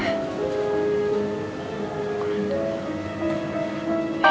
gak ada busa ga ada